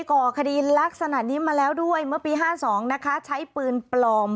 ก่อคดีลักษณะนี้มาแล้วด้วยเมื่อปี๕๒นะคะใช้ปืนปลอม